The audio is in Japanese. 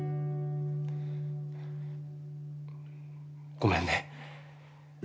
ごめんね。